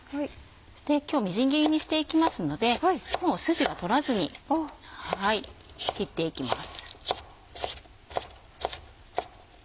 そして今日みじん切りにしていきますのでもうスジは取らずに切っていきます。